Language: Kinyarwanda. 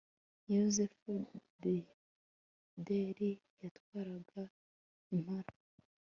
Yozefu Bideri yatwaraga Impara